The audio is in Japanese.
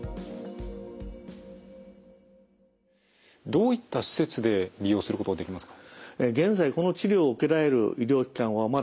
どういった施設で利用することができますか？